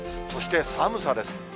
そして寒さです。